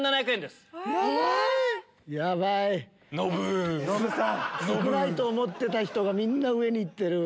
少ないと思ってた人がみんな上に行ってる。